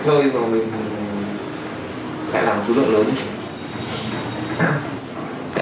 chỉ làm để chơi